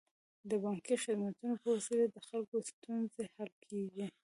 د بانکي خدمتونو په وسیله د خلکو ستونزې حل کیږي.